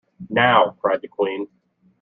‘Now!’ cried the Queen.